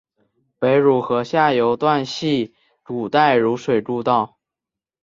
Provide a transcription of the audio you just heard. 北汝河下游段系古代汝水故道。